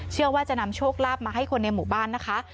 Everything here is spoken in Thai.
เชื่อว่าจะนำโชคลาภมาให้คนในหมู่บ้านนะคะ